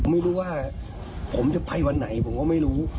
ไม่รู้ว่าผมจะไปวันไหนผมก็ไม่รู้